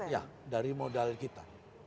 ya dari modal kita